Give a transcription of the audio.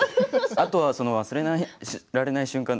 あとは、忘れられない瞬間